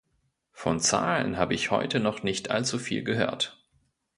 Von Zahlen habe ich heute noch nicht allzu viel gehört.